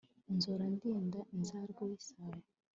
nzora ndinda inzarwe y'isayo